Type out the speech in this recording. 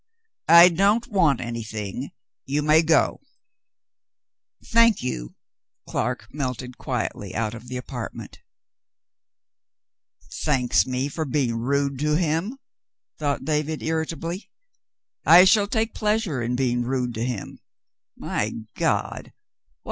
I don't want anything. You may go." 234 New Conditions 235 "Thank you." Clark melted quietly out of the apart ment. "Thanks me for being rude to him," thought David, irritably ; "I shall take pleasure in being rude to him. My God